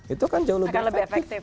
itu kan jauh lebih efektif